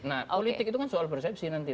nah politik itu kan soal persepsi nanti